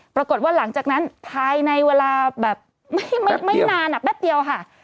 ปรากฏว่าหลังจากนั้นภายในเวลาแบบไม่นานแป๊บเดียวค่ะ